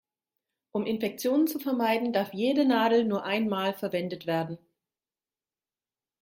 Um Infektionen zu vermeiden, darf jede Nadel nur einmal verwendet werden.